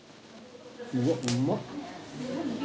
うわうまっ。